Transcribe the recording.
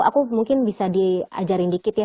aku mungkin bisa diajarin dikit ya